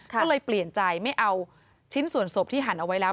ก็เลยเปลี่ยนใจไม่เอาชิ้นส่วนศพที่หั่นเอาไว้แล้ว